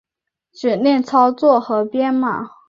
指令操作和编码